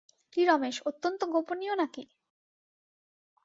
কী রমেশ, অত্যন্ত গোপনীয় নাকি?